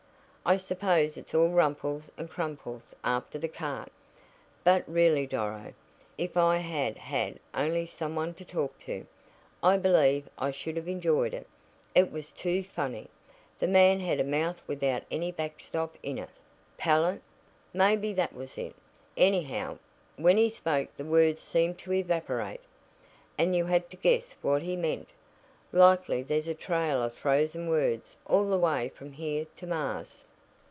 I suppose it's all rumples and crumples after the cart. But really, Doro, if I had had only some one to talk to, I believe I should have enjoyed it. It was too funny! The man had a mouth without any backstop in it " "Palate?" "Maybe that was it. Anyhow, when he spoke the words seemed to evaporate, and you had to guess what he meant. Likely there's a trail of frozen words all the way from here to Mars."